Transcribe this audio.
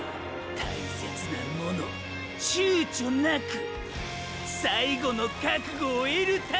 大切なもの躊躇なく最後の覚悟を得るために！！